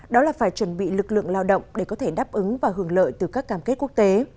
đó là phải chuẩn bị lực lượng lao động để có thể đáp ứng và hưởng lợi từ các cam kết quốc tế